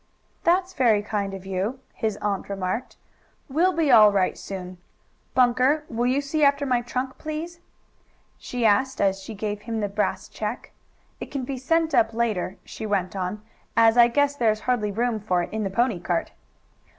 "That's very kind of you," his aunt remarked. "We'll be all right soon. Bunker, will you see after my trunk, please?" she asked as she gave him the brass check. "It can be sent up later," she went on, "as I guess there is hardly room for it in the pony cart."